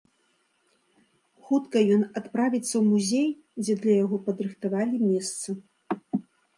Хутка ён адправіцца ў музей, дзе для яго падрыхтавалі месца.